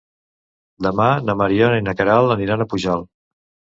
Demà na Mariona i na Queralt aniran a Pujalt.